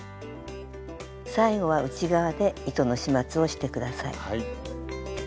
最後は内側で糸の始末をして下さい。